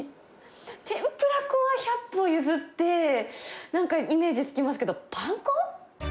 天ぷら粉は百歩譲って、なんかイメージつきますけど、パン粉？